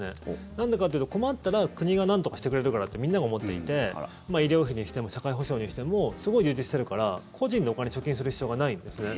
なんでかっていうと困ったら国がなんとかしてくれるからってみんなが思っていて医療費にしても社会保障にしてもすごい充実してるから個人でお金を貯金する必要がないんですね。